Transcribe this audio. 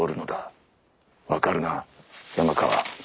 分かるな山川。